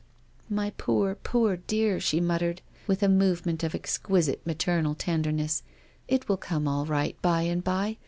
" My poor, poor dear," she muttered, with a movement of exquisite maternal tenderness, " it will come all right by and by.